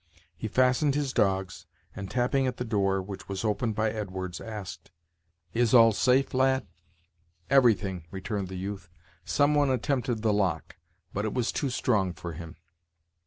He fastened his dogs, and tapping at the door, which was opened by Edwards, asked; "Is all safe, lad?" "Everything," returned the youth. "Some one attempted the lock, but it was too strong for him."